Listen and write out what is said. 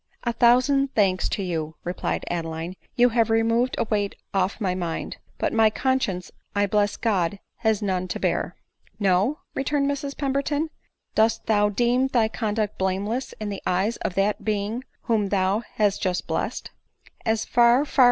"A thousand thanks to you," replied Adeline; "you have removed a weight off my mind ; but my conscience, I bless God has none to bear." " No ?" returned Mrs Pemberton ;" dost thou deem thy conduct blameless in the eyes of that Being whom thou hast just blessed ?"." As far far